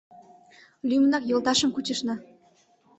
Лӱмынак йолташым кучышна.